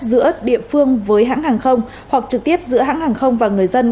giữa địa phương với hãng hàng không hoặc trực tiếp giữa hãng hàng không và người dân